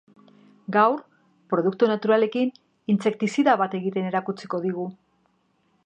Gaur, produktu naturalekin intsektizida bat egiten erakutsiko digu.